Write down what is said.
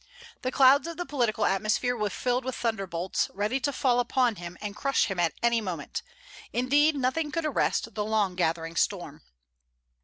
The clouds of the political atmosphere were filled with thunderbolts, ready to fall upon him and crush him at any moment; indeed, nothing could arrest the long gathering storm.